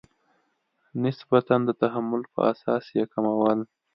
نسبتا د تحمل په اساس یې کمول.